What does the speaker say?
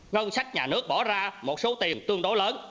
ngân sách nhà nước bỏ ra một số tiền tương đối lớn